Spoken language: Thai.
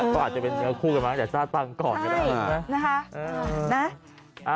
ก็อาจจะเป็นเนื้อคู่กันมาตั้งแต่ซ่าตังก่อนก็ได้ใช่นะฮะ